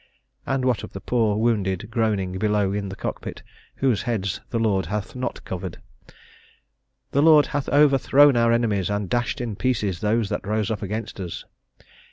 And what of the poor wounded, groaning below in the cockpit, whose heads the Lord hath not covered? "The Lord hath overthrown our enemies, and dashed in pieces those that rose up against us."